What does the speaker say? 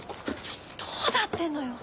どうなってんのよ？